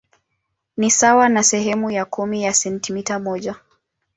Ni sawa na sehemu ya kumi ya sentimita moja.